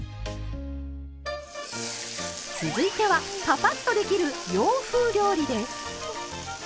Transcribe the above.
続いてはパパッとできる洋風料理です。